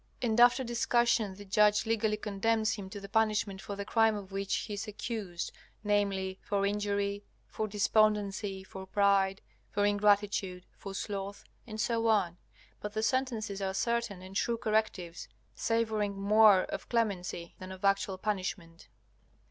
And after discussion the judge legally condemns him to the punishment for the crime of which he is accused viz., for injury, for despondency, for pride, for ingratitude, for sloth, etc. But the sentences are certain and true correctives, savoring more of clemency than of actual punishment.